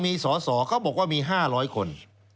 มีสอสอเขาบอกว่ามี๕๐๐คน